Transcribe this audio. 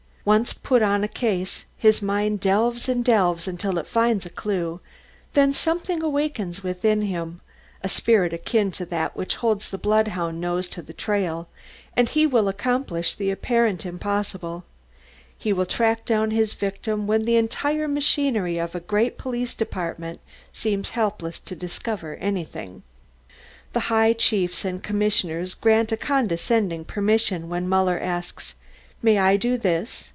Once put on a case his mind delves and delves until it finds a clue, then something awakes within him, a spirit akin to that which holds the bloodhound nose to trail, and he will accomplish the apparently impossible, he will track down his victim when the entire machinery of a great police department seems helpless to discover anything. The high chiefs and commissioners grant a condescending permission when Muller asks, "May I do this?